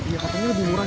iya katanya lebih murah